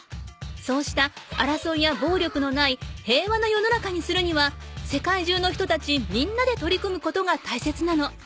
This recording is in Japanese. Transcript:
そうしたあらそいやぼうりょくのない平和な世の中にするには世界中の人たちみんなで取り組むことが大切なの。